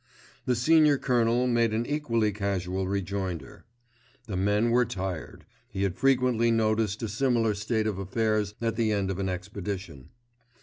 The Senior Colonel made an equally casual rejoinder. The men were tired, he had frequently noticed a similar state of affairs at the end of an expedition.